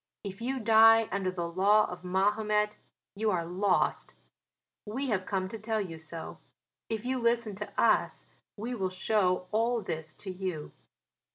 If you die under the law of Mahomet you are lost. We have come to tell you so: if you listen to us we will show all this to you."